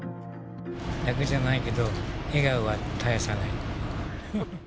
楽じゃないけど、笑顔は絶やさない。